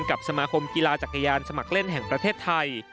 กับสมาคมกีฬาจักรยานสมัครเล่นแห่งประเทศไทย